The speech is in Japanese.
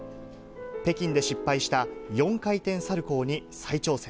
北京で失敗した４回転サルコーに再挑戦。